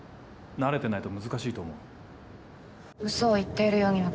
慣れてないと難しいと思う。